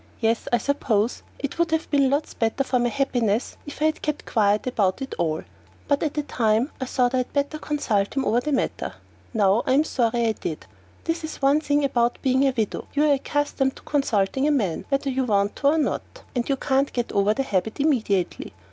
Yes, I suppose it would have been lots better for my happiness if I had kept quiet about it all, but at the time I thought I had better consult him over the matter. Now I'm sorry I did. That is one thing about being a widow, you are accustomed to consulting a man, whether you want to or not, and you can't get over the habit immediately.